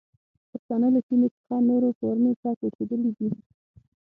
پښتانه له سیمې څخه نورو ښارونو ته کوچېدلي دي.